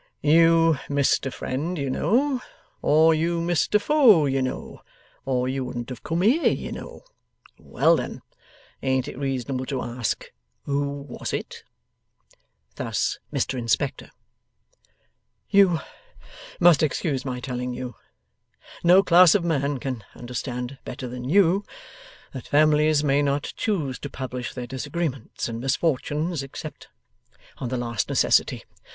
'You missed a friend, you know; or you missed a foe, you know; or you wouldn't have come here, you know. Well, then; ain't it reasonable to ask, who was it?' Thus, Mr Inspector. 'You must excuse my telling you. No class of man can understand better than you, that families may not choose to publish their disagreements and misfortunes, except on the last necessity.